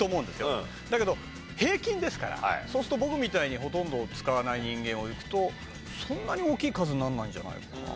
だけど平均ですからそうすると僕みたいにほとんど使わない人間をいくとそんなに大きい数にならないんじゃないかな。